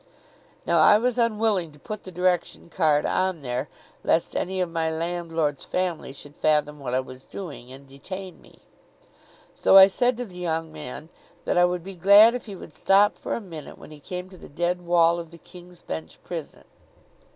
Now, I was unwilling to put the direction card on there, lest any of my landlord's family should fathom what I was doing, and detain me; so I said to the young man that I would be glad if he would stop for a minute, when he came to the dead wall of the King's Bench prison.